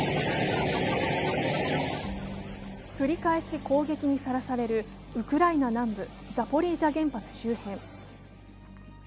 繰り返し攻撃にさらされるウクライナ南部ザポリージャ原発周辺。